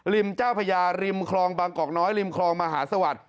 เจ้าพญาริมคลองบางกอกน้อยริมคลองมหาสวัสดิ์